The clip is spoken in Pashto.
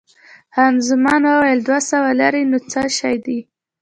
خان زمان وویل، دوه سوه لیرې نو څه شی دي؟